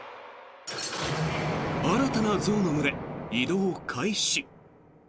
新たな象の群れ、移動開始。